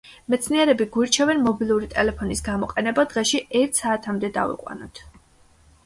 მეცნიერები გვირჩევენ, მობილური ტელეფონის გამოყენება დღეში ერთ საათამდე დავიყვანოთ.